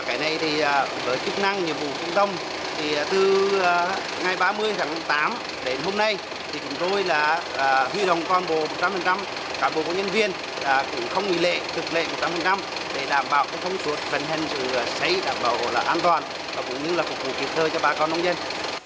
cái này thì với chức năng nhiệm vụ trung tâm thì từ ngày ba mươi tháng tám đến hôm nay thì chúng tôi là huy động toàn bộ một trăm linh toàn bộ công nhân viên cũng không nghỉ lệ thực lệ một trăm linh để đảm bảo công suất vận hành sự xấy đảm bảo là an toàn và cũng như là phục vụ thiệt thơ cho bà con nông dân